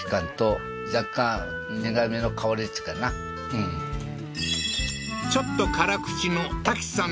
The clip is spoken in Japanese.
うんちょっと辛口のタキさん